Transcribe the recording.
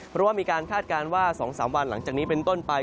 เพราะว่ามีการคาดการณ์ว่า๒๓วันหลังจากนี้เป็นต้นไป